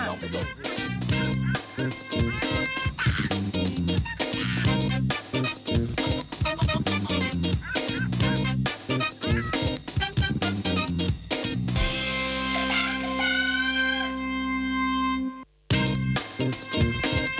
น้องไปส่ง